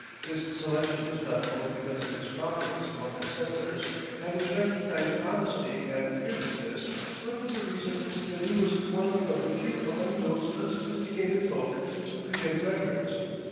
This selection was not only because of his prominence among the settlers and his recognized honesty and fearlessness, but for the reason that he was one of the few among these unsophisticated folk who could make records.